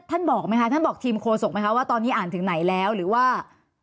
บอกไหมคะท่านบอกทีมโฆษกไหมคะว่าตอนนี้อ่านถึงไหนแล้วหรือว่า